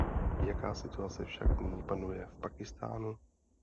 Jaká situace však nyní panuje v Pákistánu?